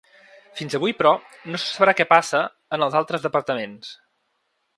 Fins avui, però, no se sabrà què passa en els altres departaments.